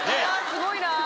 すごいな。